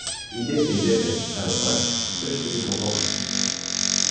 — Идете, идете… разбрах, той ще ви похока.